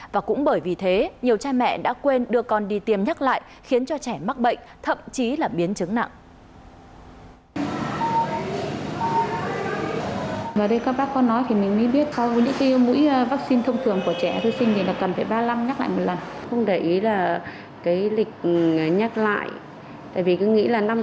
và cũng bởi vì thế nhiều cha mẹ đã quên đưa con đi tiêm nhắc lại khiến cho trẻ mắc bệnh thậm chí là biến chứng nặng